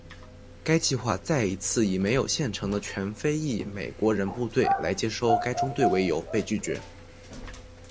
该计划再一次以没有现成的全非裔美国人部队来接收该中队为由被拒绝。